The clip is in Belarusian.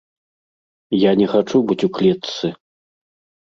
Я не хачу быць у клетцы.